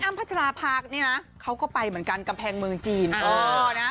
พัชราภาเนี่ยนะเขาก็ไปเหมือนกันกำแพงเมืองจีน